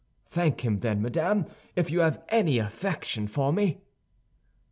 Thank him, then, madame, if you have any affection for me."